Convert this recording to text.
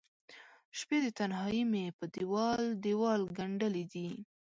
شپې د تنهائې مې په دیوال، دیوال ګنډلې دي